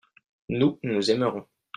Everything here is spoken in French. nous, nous aimerons.